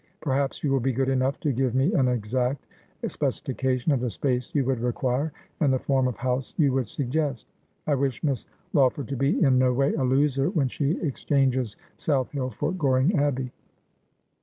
Perhaps you will be good enough to give me an exact specification of the space you would require, and the form of house you would suggest. I wish Miss Law ford to be in no way a loser when she exchanges South Hill for Goring Abbey.'